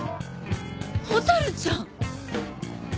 蛍ちゃん。